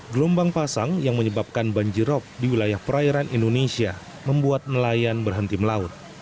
gelombang pasang yang menyebabkan banjirop di wilayah perairan indonesia membuat nelayan berhenti melaut